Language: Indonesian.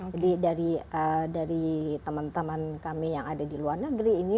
jadi dari teman teman kami yang ada di luar negeri ini